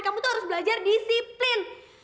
kamu tuh harus belajar disiplin